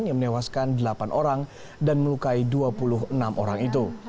yang menewaskan delapan orang dan melukai dua puluh enam orang itu